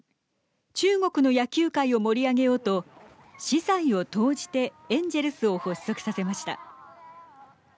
中国の野球界を盛り上げようと私財を投じてエンジェルスを発足させました。